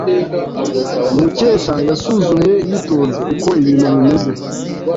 Mukesha yasuzumye yitonze uko ibintu bimeze.